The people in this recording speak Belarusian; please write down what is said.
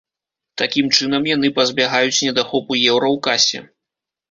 Такім чынам яны пазбягаюць недахопу еўра ў касе.